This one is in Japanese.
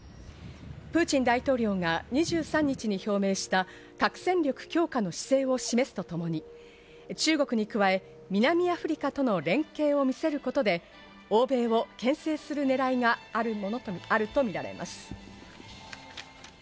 プーチン大統領が２３日に表明した核戦力強化の姿勢を示すとともに中国に加え南アフリカとの連携を見せることで、欧米を牽制するねらいがあるものとみられます。